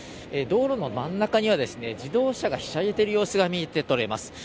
道路の真ん中には、自動車がひしゃげている様子が見て取れます。